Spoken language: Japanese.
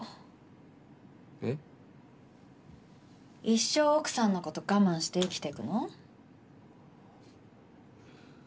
一生奥さんのこと我慢して生きていくの？